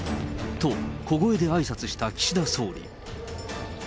と、小声であいさつした岸田総理。